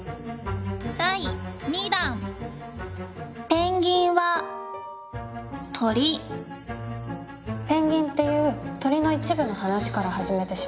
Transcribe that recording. ペンギンは鳥ペンギンっていう鳥の一部の話から始めてしまっている。